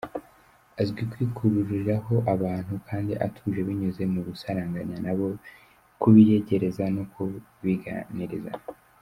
Azi kwikururiraho abantu kandi atuje binyuze mu gusaranganya nabo, kubiyegereza no kubaganiriza.